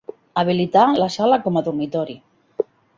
Habilitar la sala com a dormitori.